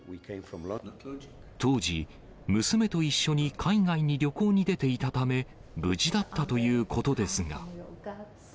当時、娘と一緒に海外に旅行に出ていたため、無事だったということですが。